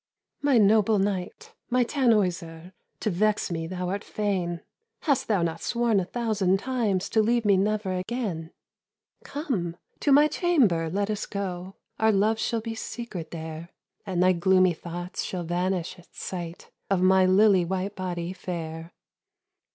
"My noble knight, my Tannhäuser, To vex me thou art fain. Hast thou not sworn a thousand times To leave me never again? "Come! to my chamber let us go; Our love shall be secret there. And thy gloomy thoughts shall vanish at sight Of my lily white body fair."